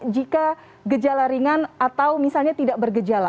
jika gejala ringan atau misalnya tidak bergejala